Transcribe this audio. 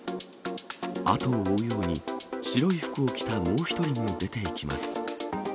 後を追うように、白い服を着たもう一人も出ていきます。